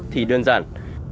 thì đơn giản